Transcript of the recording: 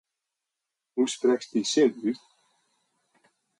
Hoe sprekst dy sin út?